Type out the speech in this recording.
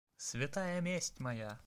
Святая месть моя!